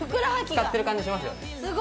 使ってる感じしますよね。